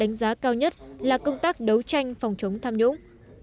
đánh giá cao nhất là công tác đấu tranh phòng chống tham nhũng